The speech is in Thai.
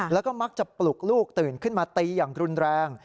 แล้วก็มักจะปลุกลูกตื่นขึ้นมาตีอย่างรุนแรง